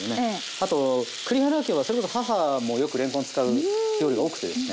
あと栗原家はそれこそ母もよくれんこん使う料理が多くてですね。